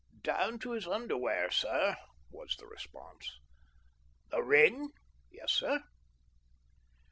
"Down to his under wear, sir," was the response. "The ring?" "Yes, sir."